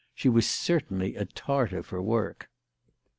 She was certainly a Tartar for work.